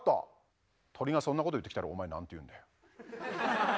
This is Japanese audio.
鳥がそんなこと言ってきたらお前何て言うんだよ。